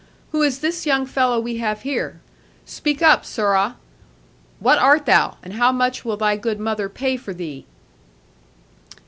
Who is this young fellow we have here? Speak up, sirrah; what art thou, and how much will thy good mother pay for thee?'